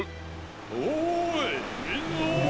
おいみんな！